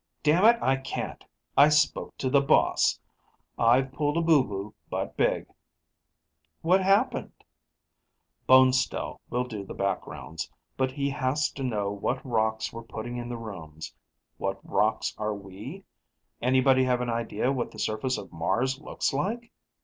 "Damn it, I can't! I spoke to The Boss. I've pulled a boo boo, but big." "What happened?" "Bonestell will do the backgrounds, but he has to know what rocks we're putting in the rooms. What rocks are we? Anybody have an idea what the surface of Mars looks like?